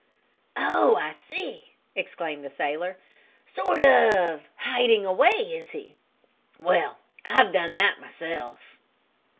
"Oh, I see!" exclaimed the sailor. "Sort of hiding away, is he? Well, I've done that myself."